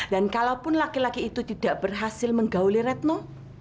dan kalaupun laki laki itu tidak berhasil menggaulir retno